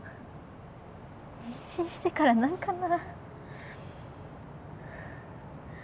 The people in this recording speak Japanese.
妊娠してから何かな。